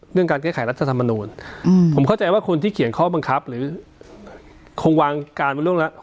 เรื่องการแก้ไขรัฐธรรมนูญอืมผมเข้าใจว่าคนที่เขียนข้อบังคับหรือคงวางการเป็นเรื่องแล้ว